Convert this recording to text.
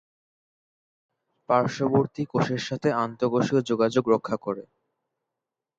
পার্শ্ববর্তী কোষের সাথে আন্তঃকোষীয় যোগাযোগ রক্ষা করে।